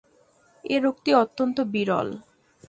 এ রোগটি অত্যন্ত বিরল।